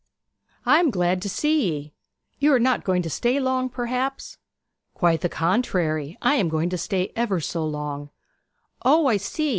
'I am glad to see ye. You are not going to stay long, perhaps?' 'Quite the contrary. I am going to stay ever so long!' 'O I see!